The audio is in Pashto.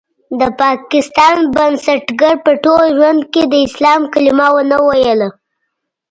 د پاکستان بنسټګر په ټول ژوند کې د اسلام کلمه ونه ويله.